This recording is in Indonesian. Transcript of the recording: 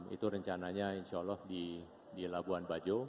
itu rencananya insya allah di labuan bajo